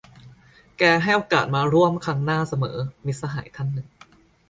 แกให้โอกาสมาร่วมครั้งหน้าเสมอ - มิตรสหายท่านหนึ่ง